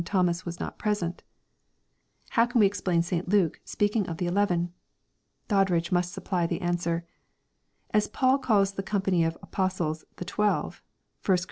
— If Thomas was not present on this occasion, how can we explain St. Luke, speaking of '' the eleven ?" Doddridge must supply the answer ;—" As Paul calls the company of apostles 1h» twelve^ (1 Cor.